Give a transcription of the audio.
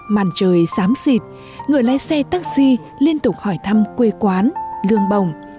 màn trời sám xịt người lái xe taxi liên tục hỏi thăm quê quán lương bồng